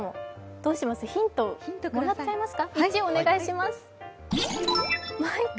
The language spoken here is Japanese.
どうします、ヒントもらっちゃいますか。